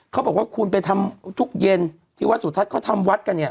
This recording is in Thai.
เขาบอกว่าคุณไปทำทุกเย็นที่วัดสุทัศน์เขาทำวัดกันเนี่ย